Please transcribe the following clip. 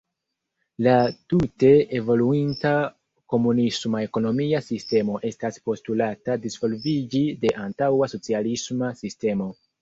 La tute evoluinta komunisma ekonomia sistemo estas postulata disvolviĝi de antaŭa socialisma sistemo.